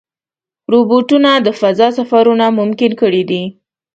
روبوټونه د فضا سفرونه ممکن کړي دي.